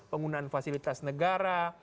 penggunaan fasilitas negara